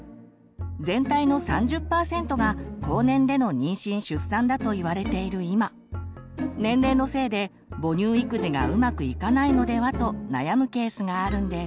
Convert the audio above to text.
全体の３０％が高年での妊娠出産だといわれている今年齢のせいで母乳育児がうまくいかないのではと悩むケースがあるんです。